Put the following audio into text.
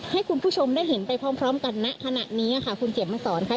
ให้คุณผู้ชมได้เห็นไปพร้อมกันณขณะนี้ค่ะคุณเขียนมาสอนค่ะ